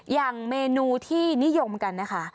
อย่างเมนูที่นิยมกันนะคะ